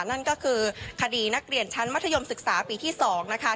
นั่นก็คือคดีนักเรียนชั้นมัธยมศึกษาปีที่๒นะคะ